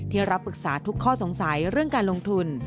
รับปรึกษาทุกข้อสงสัยเรื่องการลงทุน